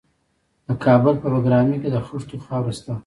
د کابل په بګرامي کې د خښتو خاوره شته.